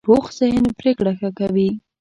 پوخ ذهن پرېکړه ښه کوي